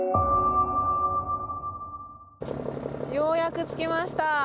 ようやく着きました。